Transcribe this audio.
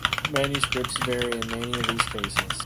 Manuscripts vary in many of these cases.